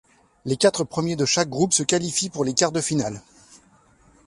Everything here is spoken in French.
Les quatre premiers de chaque groupe se qualifient pour les quarts de finale.